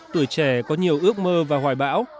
tuổi trẻ có nhiều ước mơ và hoài bão